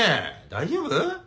大丈夫？